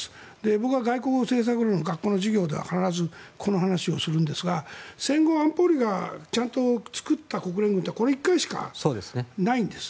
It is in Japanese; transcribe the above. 僕は外交政策論を学校の授業では必ずこの話をするんですが戦後、安保理がちゃんと作った国連軍はこれ１回しかないんです。